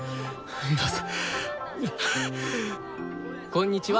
こんにちは。